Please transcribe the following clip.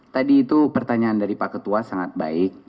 tadi itu pertanyaan dari pak ketua sangat baik